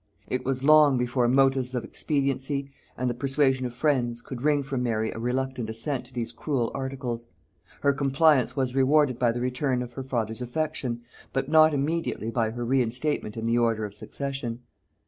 It was long before motives of expediency, and the persuasion of friends, could wring from Mary a reluctant assent to these cruel articles: her compliance was rewarded by the return of her father's affection, but not immediately by her reinstatement in the order of succession.